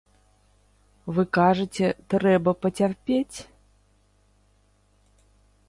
Вы кажаце, трэба пацярпець.